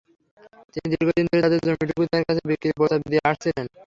তিনি দীর্ঘদিন ধরে তাঁদের জমিটুকু তাঁর কাছে বিক্রির প্রস্তাব দিয়ে আসছিলেন।